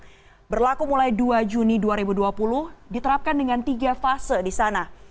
yang berlaku mulai dua juni dua ribu dua puluh diterapkan dengan tiga fase di sana